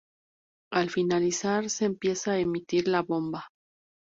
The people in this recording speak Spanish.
Al finalizar se empieza a emitir La Bomba.